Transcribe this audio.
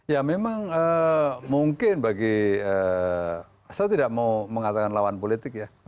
ya memang mungkin bagi saya tidak mau mengatakan lawan politik ya